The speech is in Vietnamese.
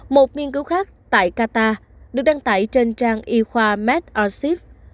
một nghiên cứu khác tại qatar được đăng tải trên trang y khoa medarchive